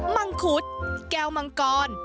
มังคุดแก้วมังกร